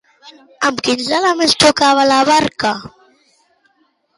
Amb quins elements xocava la barca?